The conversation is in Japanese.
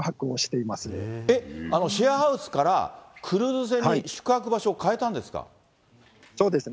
えっ、シェアハウスからクルーズ船に宿泊場所を変えたんですそうですね。